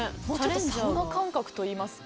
サウナ感覚といいますか。